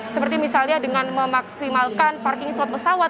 seperti misalnya dengan memaksimalkan parking slot pesawat